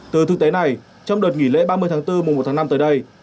từ thực tế này trong đợt nghỉ lễ ba mươi tháng bốn mùa một tháng năm tới đây